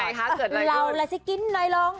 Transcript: อย่างไงคะเกิดอะไรขึ้น